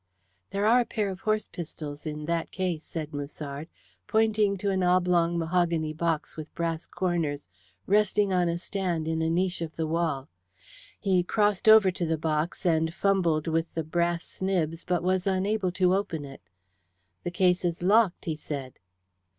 "There are a pair of horse pistols in that case," said Musard, pointing to an oblong mahogany box with brass corners, resting on a stand in a niche of the wall. He crossed over to the box and fumbled with the brass snibs, but was unable to open it. "The case is locked," he said.